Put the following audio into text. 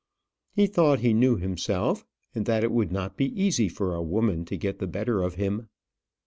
He thought he knew himself, and that it would not be easy for a woman to get the better of him.